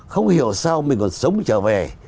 không hiểu sao mình còn sống trở về